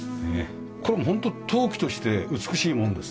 これもホント陶器として美しいもんですね。